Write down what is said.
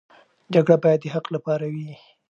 جګړه باید د حق لپاره وي.